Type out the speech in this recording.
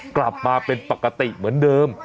กลับมาเป็นปกติเหมือนเดิม